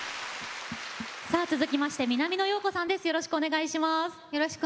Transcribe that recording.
続きまして南野陽子さんです。